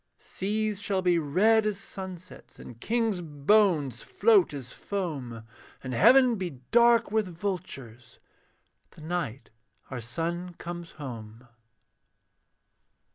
Seas shall be red as sunsets, And kings' bones float as foam, And heaven be dark with vultures, The night our son comes home.